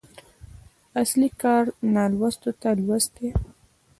اصلي کار نالوستو ته لوست دی.